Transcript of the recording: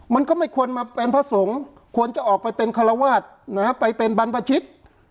มันก็ไม่ควรมาเป็นพระสงฆ์ควรจะออกไปเป็นคารวาสนะฮะไปเป็นบรรพชิต